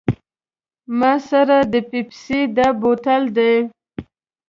ما سره د پیپسي دا بوتل دی.